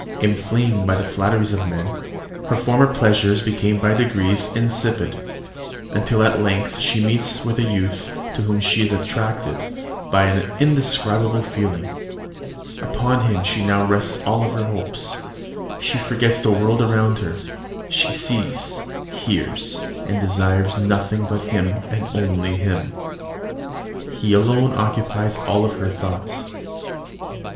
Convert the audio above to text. Inflamed by the flatteries of men, her former pleasures become by degrees insipid, till at length she meets with a youth to whom she is attracted by an indescribable feeling; upon him she now rests all her hopes; she forgets the world around her; she sees, hears, desires nothing but him, and him only. He alone occupies all her thoughts.